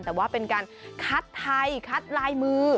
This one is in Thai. แต่ว่าเป็นการคัดไทยคัดลายมือ